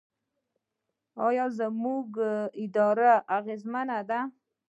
آیا زموږ اداره اغیزمنه ده؟